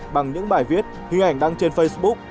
bằng những bài viết hình ảnh đăng trên facebook